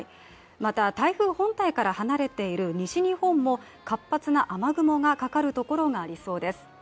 また台風本体から離れている西日本も活発な雨雲のかかるところがありそうです。